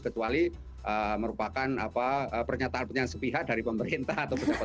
kecuali merupakan pernyataan penyiasat pihak dari pemerintah